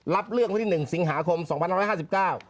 รับเรื่องวันที่หนึ่งสิงหาคมสองพันห้าร้อยห้าสิบเก้า